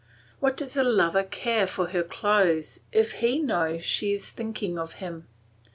What does a lover care for her clothes if he knows she is thinking of him?